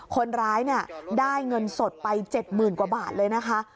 คนร้ายได้เงินสดไป๗๐๐๐กว่าบาทเลยนะคะ